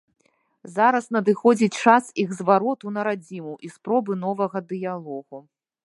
Зараз надыходзіць час іх звароту на радзіму і спробы новага дыялогу.